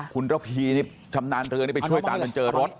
คุณระพีนี่ชำนาญเรือนี่ไปช่วยตามจนเจอรถ